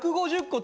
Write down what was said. １５０個？